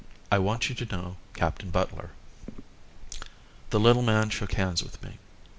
"I want you to know Captain Butler." The little man shook hands with me.